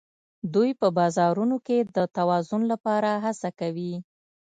دوی په بازارونو کې د توازن لپاره هڅه کوي